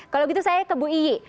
kalau gitu saya ke bu iyi